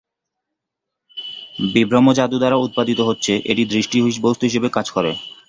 বিভ্রম জাদু দ্বারা উৎপাদিত হচ্ছে, এটি দৃষ্টি বস্তু হিসাবে কাজ করে।